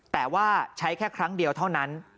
แต่ว่าใช้แค่ครั้งเดียวเท่านั้น